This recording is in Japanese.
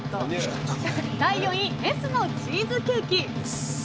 第４位、Ｓのチーズケーキ。